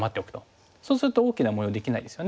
そうすると大きな模様できないですよね。